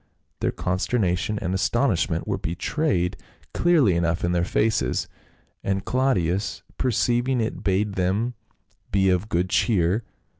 Their consternation and astonishment were betrayed CLAUDIUS CJESAR. 217 clearly enough in their faces, and Claudius perceiving it bade them be of good cheer.